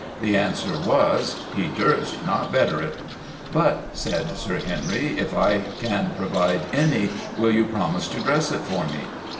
The answer was 'He durst not better it.' 'But,' said Sir Henry, 'if I can provide any, will you promise to dress it for me?